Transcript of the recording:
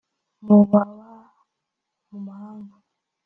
Mu baba mu mahanga